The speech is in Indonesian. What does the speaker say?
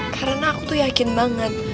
karena aku tuh yakin banget